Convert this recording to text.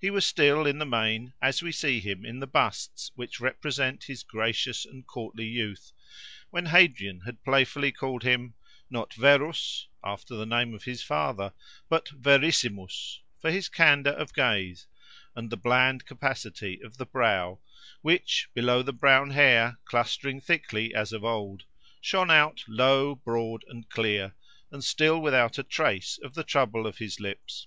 He was still, in the main, as we see him in the busts which represent his gracious and courtly youth, when Hadrian had playfully called him, not Verus, after the name of his father, but Verissimus, for his candour of gaze, and the bland capacity of the brow, which, below the brown hair, clustering thickly as of old, shone out low, broad, and clear, and still without a trace of the trouble of his lips.